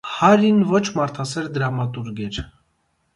Հարրին ոչ մարդասեր դրամատուրգ էր։